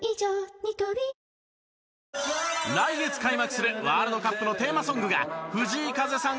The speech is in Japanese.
ニトリ来月開幕するワールドカップのテーマソングが藤井風さん